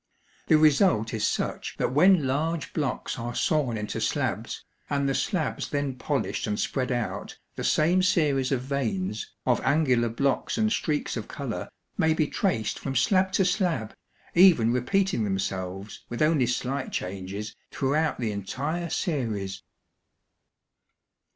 The result is such that when large blocks are sawn into slabs, and the slabs then polished and spread out, the same series of veins, of angular blocks and streaks of color, may be traced from slab to slab, even repeating themselves with only slight changes throughout the entire series.